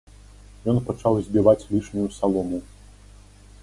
Ён пачаў збіваць лішнюю салому.